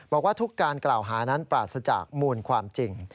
บอกว่าทุกการกล่าวหานั้นปราศจากมูลความจริง